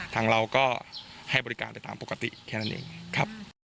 ทางเราก็ให้บริการได้ตามปกติแค่นั้นเองครับ